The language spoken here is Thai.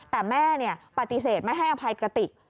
แต่แม่ปฏิเสธไม่ให้อภัยกระติก